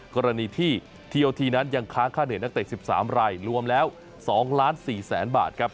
กรณีที่ทีโอทีนั้นยังค้าค่าเหนือนักเตะ๑๓ไรรวมแล้ว๒๔ล้านบาทครับ